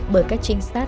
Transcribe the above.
bởi các trinh sát